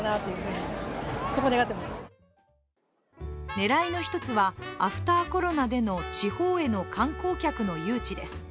狙いの一つはアフター・コロナでの地方への観光客の誘致です。